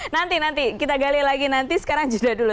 nanti nanti kita gali lagi nanti sekarang jeda dulu